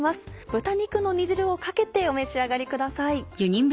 豚肉の煮汁をかけてお召し上がりください。